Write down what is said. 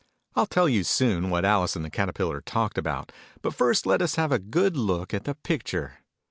I'll tell you, soon, what Alice and the Caterpillar talked about : but first let us have a good look at the picture.